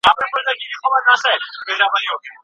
تاریخي تېروتنې د ملت باور کموي.